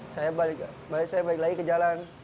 saya balik lagi ke jalan